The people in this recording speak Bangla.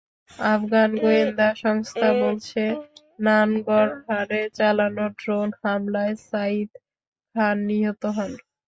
আফগান গোয়েন্দা সংস্থা বলছে, নানগরহারে চালানো ড্রোন হামলায় সাঈদ খান নিহত হন।